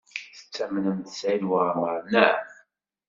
Tettamnemt Saɛid Waɛmaṛ, naɣ?